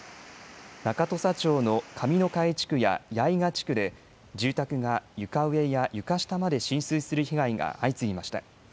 中土佐町の上ノ加江地区や矢井賀地区で住宅が床上や床下まで浸水する被害が相次ぎました。